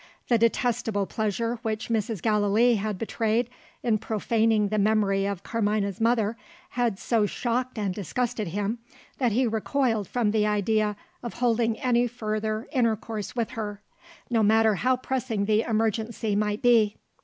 The detestable pleasure which Mrs. Gallilee had betrayed in profaning the memory of Carmina's mother, had so shocked and disgusted him, that he recoiled from the idea of holding any further intercourse with her, no matter how pressing the emergency might be.